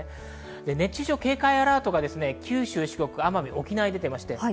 熱中症警戒アラートが九州、四国、奄美、沖縄に出ています。